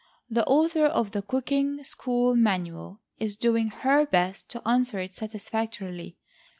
The author of THE COOKING SCHOOL MANUAL is doing her best to answer it satisfactorily.